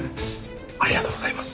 ありがとうございます。